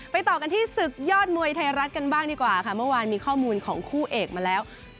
ต่อกันที่ศึกยอดมวยไทยรัฐกันบ้างดีกว่าค่ะเมื่อวานมีข้อมูลของคู่เอกมาแล้ว